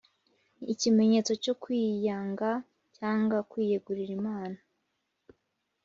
Ni ikimenyetso cyo kwiyanga cyangwa kwiyegurira Imana